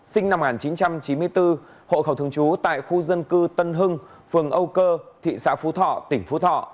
sinh năm một nghìn chín trăm chín mươi bốn hộ khẩu thường trú tại khu dân cư tân hưng phường âu cơ thị xã phú thọ tỉnh phú thọ